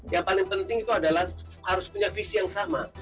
yang paling penting itu adalah harus punya visi yang sama